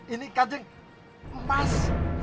ini kajeng emas